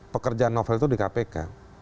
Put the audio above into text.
pekerjaan novel itu di kpk